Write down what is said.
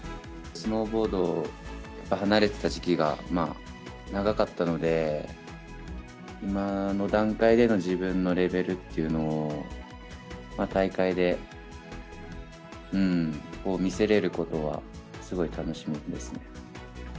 スノーボードから離れてた時期が長かったので、今の段階での自分のレベルっていうのを、大会で見せれることは、すごい楽しみですね。